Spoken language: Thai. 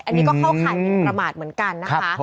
อันนี้ก็เข้าข่ายมินประมาทเหมือนกันนะคะ